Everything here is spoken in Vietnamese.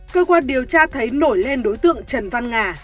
cơ quan điều tra thấy nổi lên đối tượng trần văn nga